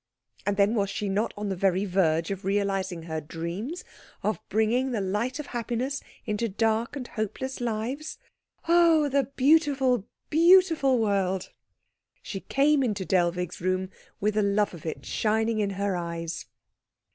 And then was she not on the very verge of realising her dreams of bringing the light of happiness into dark and hopeless lives? Oh, the beautiful, beautiful world! She came into Dellwig's room with the love of it shining in her eyes.